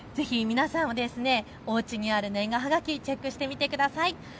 ぜひ皆さん、おうちにある年賀はがき、ぜひチェックしてみてください。